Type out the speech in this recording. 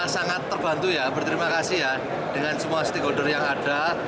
sangat terbantu ya berterima kasih ya dengan semua stakeholder yang ada